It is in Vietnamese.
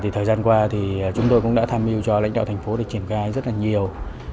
thì thời gian qua thì chúng tôi cũng đã tham mưu cho lãnh đạo thành phố để triển khai rất là nhiều